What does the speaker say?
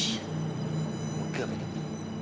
มันมาเกือบในนี่